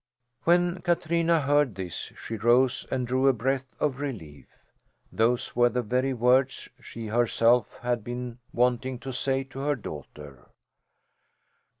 When Katrina heard this she rose and drew a breath of relief. Those were the very words she herself had been wanting to say to her daughter.